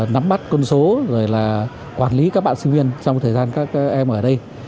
nắm bắt quân số rồi là quản lý các bạn sinh viên trong thời gian các em ở đây